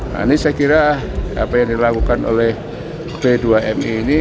nah ini saya kira apa yang dilakukan oleh p dua mi ini